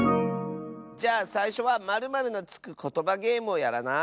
じゃあさいしょは○○のつくことばゲームをやらない？